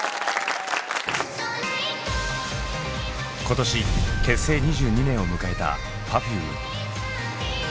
今年結成２２年を迎えたＰｅｒｆｕｍｅ。